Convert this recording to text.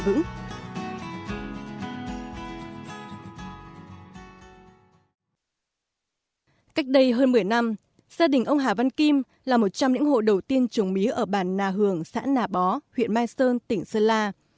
cách đây hơn một mươi năm gia đình ông hà văn kim là một trong những hộ đầu tiên trồng mía ở bàn nà hường xã nà bó huyện mai sơn tỉnh sơn la